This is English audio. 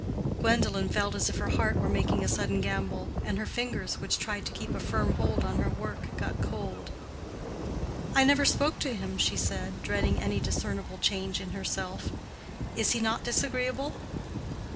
Gwendolen felt as if her heart were making a sudden gambol, and her fingers, which tried to keep a firm hold on her work, got cold. "I never spoke to him," she said, dreading any discernible change in herself. "Is he not disagreeable?"